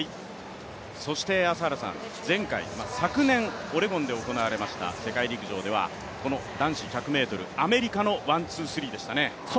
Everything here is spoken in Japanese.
そして前回、昨年オレゴンで行われました世界陸上ではこの男子１００ｍ、アメリカのワン・ツー・スリーでしたね。